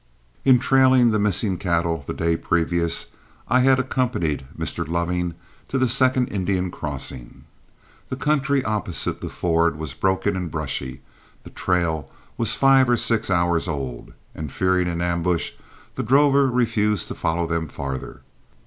In trailing the missing cattle the day previous, I had accompanied Mr. Loving to the second Indian crossing. The country opposite the ford was broken and brushy, the trail was five or six hours old, and, fearing an ambush, the drover refused to follow them farther.